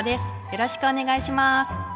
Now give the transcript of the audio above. よろしくお願いします。